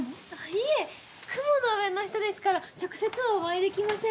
いえ雲の上の人ですから直接はお会いできません。